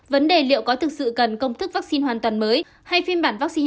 vấn đề liệu có thực sự cần công thức vaccine hoàn toàn mới